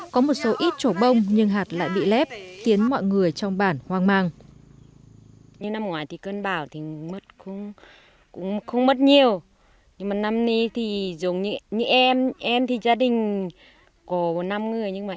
có một số ít chỗ bông nhưng hạt lại bị lép khiến mọi người trong bản hoang mang